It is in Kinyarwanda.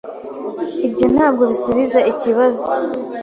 Ibyo ntabwo bisubiza ikibazo.